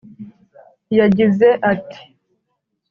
yagize ati